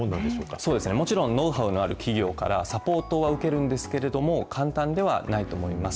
そうですね、もちろんノウハウのある企業からサポートは受けるんですけれども、簡単ではないと思います。